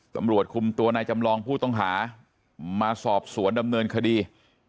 ตำรวจคุมตัวนายจำลองผู้ต้องหามาสอบสวนดำเนินคดี